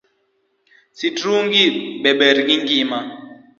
Sitrungi be ber gi ngima?